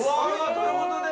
◆ということで。